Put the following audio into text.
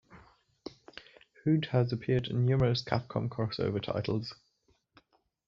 Hood has appeared in numerous Capcom crossover titles.